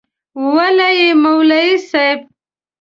وله يي مولوي صيب